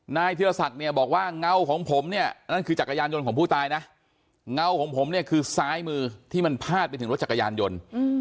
เทียศักดิ์เนี่ยบอกว่าเงาของผมเนี่ยนั่นคือจักรยานยนต์ของผู้ตายนะเงาของผมเนี่ยคือซ้ายมือที่มันพาดไปถึงรถจักรยานยนต์